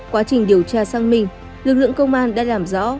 qua trình điều tra xác minh lực lượng công an đã làm rõ